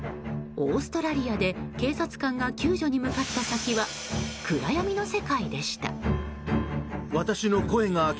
オーストラリアで警察官が救助に向かった先は暗闇の世界でした。